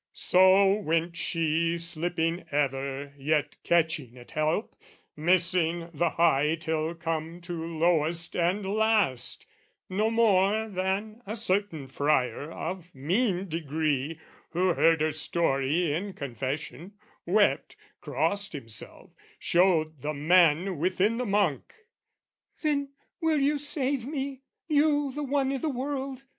So went she slipping ever yet catching at help, Missing the high till come to lowest and last, No more than a certain friar of mean degree, Who heard her story in confession, wept, Crossed himself, showed the man within the monk. "Then, will you save me, you the one i' the world?